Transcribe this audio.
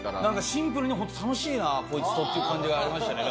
シンプルに楽しいなこいつとっていう感じがありましたね。